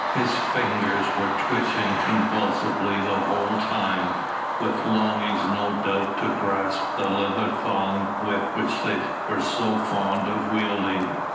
His fingers were twitching convulsively the whole time, with longing no doubt to grasp the leather thonged whip which they were so fond of wielding.